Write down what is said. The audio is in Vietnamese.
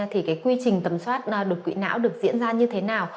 thì cái quy trình tầm soát đột quỵ não được diễn ra như thế nào